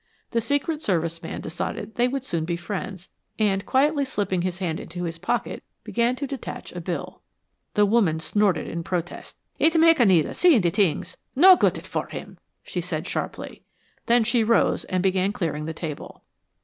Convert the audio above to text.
The Secret Service man decided they would soon be friends, and quietly slipping his hand into his pocket, began to detach a bill. The woman snorted in protest. "Et make Nels see t'ings. No goodt for him," she said, sharply. Then she rose and began clearing the table.